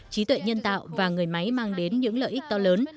trí tuệ nhân tạo và người máy mang đến những lợi ích to lớn